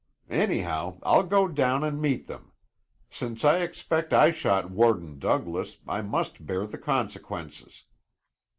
Anyhow, I'll go down and meet them. Since I expect I shot warden Douglas, I must bear the consequences."